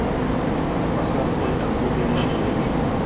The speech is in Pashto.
پسه خپل ټاټوبی نه هېروي.